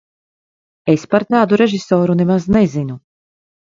Es par tādu režisoru nemaz nezinu.